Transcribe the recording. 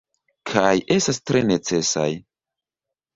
Kaj estas tre necesaj.